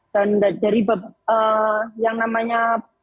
dan dari yang namanya